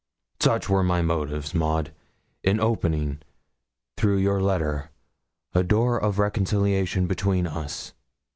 Such were my motives, Maud, in opening, through your letter, a door of reconciliation between us.'